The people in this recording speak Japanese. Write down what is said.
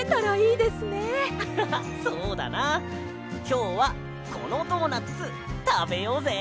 きょうはこのドーナツたべようぜ。